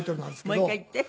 もう一回言って。